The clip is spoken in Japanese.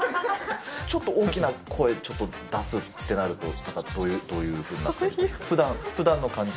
ちょっと大きな声、ちょっと出すってなると、どういうふうな感じ？